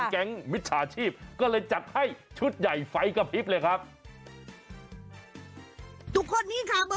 มิจฉาชีพก็เลยจัดให้ชุดใหญ่ไฟกระพริบเลยครับ